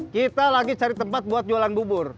kita lagi cari tempat buat jualan bubur